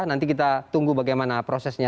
nanti kita tunggu bagaimana prosesnya